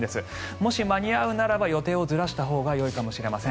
もし間に合うならば予定をずらしたほうがよいかもしれません。